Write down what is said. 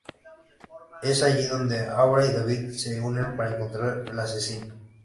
Es allí donde Aura y David se unen para encontrar al asesino.